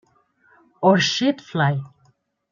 Orchid Fl.